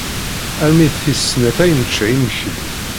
Armi d tis snat ay necca imekli.